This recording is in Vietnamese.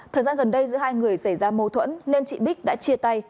thời gian gần đây giữa hai người xảy ra mâu thuẫn nên chị bích đã chia tay